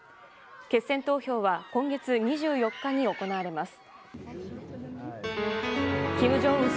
決選投票は今月２４日に行われます。